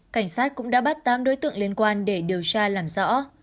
cảnh sát cũng đã bắt tám đối tượng liên quan để điều tra làm rõ